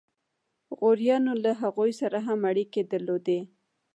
غوریانو له هغوی سره هم اړیکې درلودې.